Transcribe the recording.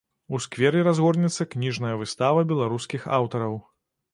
У скверы разгорнецца кніжная выстава беларускіх аўтараў.